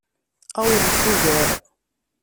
Awḍet ugar.